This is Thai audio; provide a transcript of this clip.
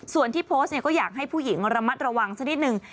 ส่วนที่โพสต์เนี่ยก็อยากให้ผู้หญิงระมัดระวังสักนิดนึง